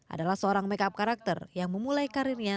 adalah seorang makeup karakter yang memulai karirnya